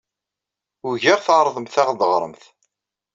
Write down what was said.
Ugaɣ tɛerḍemt ad aɣ-d-teɣremt.